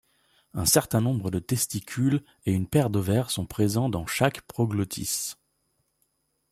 Un certain nombre de testicules et une paire d'ovaires sont présents dans chaque proglottis.